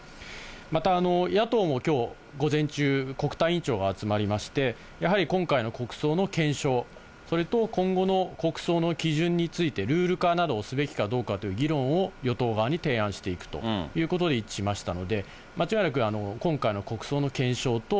また野党もきょう、午前中、国対委員長が集まりまして、やはり今回の国葬の検証、それと今後の国葬の基準についてルール化などをすべきかどうかという議論を与党側に提案していくということで一致しましたので、間違いなく今回の国葬の検証と、